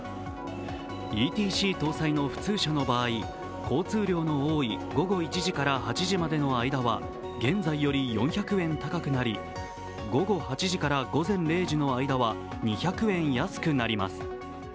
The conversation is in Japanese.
ＥＴＣ搭載の普通車の場合、交通量の多い午後１時から８時までの間は現在より４００円高くなり、午後８時から午前０時の間は、２００円安くなります。